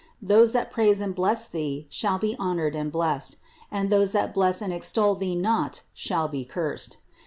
Those that praise and bless Thee shall be honored and blessed; and those that bless and extol Thee not shall be cursed.